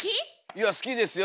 いや好きですよ。